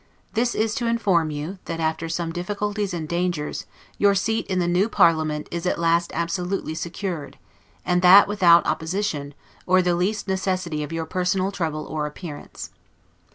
It is to inform you, that, after some difficulties and dangers, your seat in the new parliament is at last absolutely secured, and that without opposition, or the least necessity of your personal trouble or appearance.